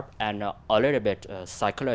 phần khác của